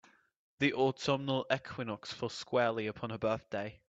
The autumnal equinox fell squarely upon her birthday.